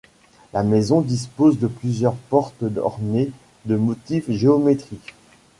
La maison dispose de plusieurs portes ornées de motifs géométriques.